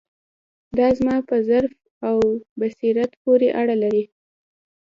دا زما په ظرف او بصیرت پورې اړه لري.